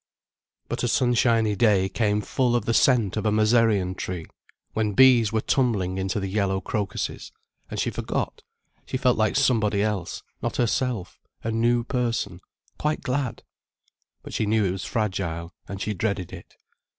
But a sunshiny day came full of the scent of a mezereon tree, when bees were tumbling into the yellow crocuses, and she forgot, she felt like somebody else, not herself, a new person, quite glad. But she knew it was fragile, and she dreaded it.